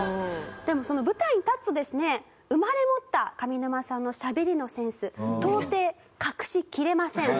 でもその舞台に立つとですね生まれ持った上沼さんのしゃべりのセンス到底隠しきれません。